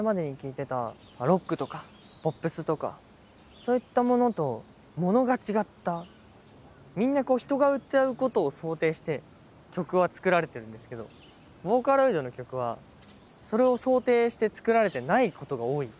何でかっていうと僕がみんなこう人が歌うことを想定して曲は作られてるんですけどボーカロイドの曲はそれを想定して作られてないことが多い。